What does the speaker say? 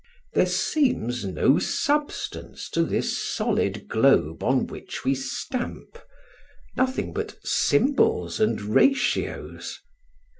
There seems no substance to this solid globe on which we stamp: nothing but symbols and ratios.